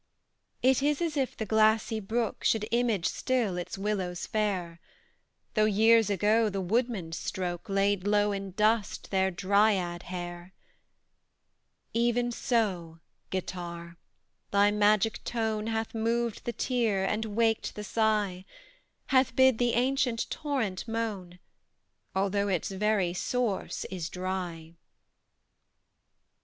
It is as if the glassy brook Should image still its willows fair, Though years ago the woodman's stroke Laid low in dust their Dryad hair. Even so, Guitar, thy magic tone Hath moved the tear and waked the sigh: Hath bid the ancient torrent moan, Although its very source is dry.